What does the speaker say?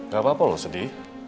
gak apa apa loh sedih